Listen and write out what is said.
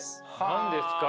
何ですか？